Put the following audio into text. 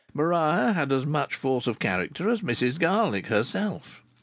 Maria had as much force of character as Mrs Garlick herself.